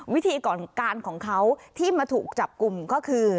วิธีก่อนการของเขาที่มาถูกจับกลุ่มก็คือ